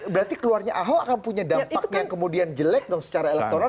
berarti keluarnya ahok akan punya dampak yang kemudian jelek dong secara elektoral